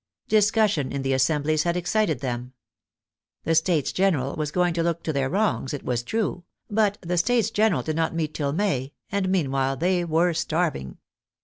Discussion in the assemblies had excited them. The States General was going to look to their wrongs, it was true, but the States General did not meet till May, and meanwhile they were starving.